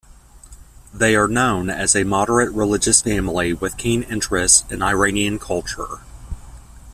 They are known as a moderate religious family with keen interests in Iranian culture.